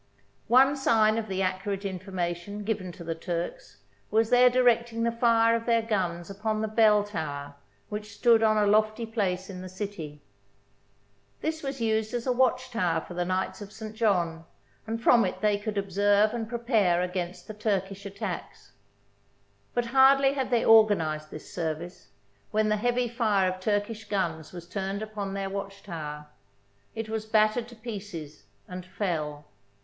One sign of the accurate information given to the Turks was their directing the fire of their guns upon the bell tower which stood on a lofty place in the city. This was used as a watch tower for the Knights of St. John, and from it they could ob serve and prepare against the Turkish attacks. But hardly had they organised this service, when the heavy fire of Turkish guns was turned upon their watch tower. It was battered to pieces and fell.